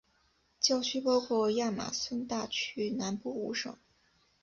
教区包括亚马孙大区南部五省。